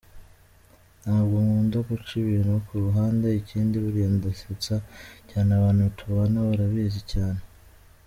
Ntabwo nkunda guca ibintu ku ruhande, ikindi buriya ndasetsa cyane abantu tubana barabizi cyane.